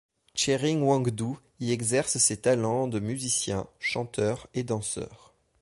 Tshering Wangdu y exerce ses talents de musicien, chanteur et danseur.